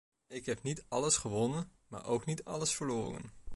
Ik heb niet alles gewonnen, maar ook niet alles verloren.